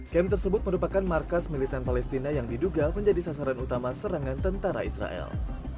kem tersebut merupakan markas militan palestina yang diduga menjadi sasaran utama serangan tentara israel